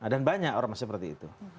dan banyak ormas seperti itu